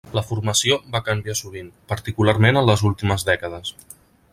La formació va canviar sovint, particularment en les últimes dècades.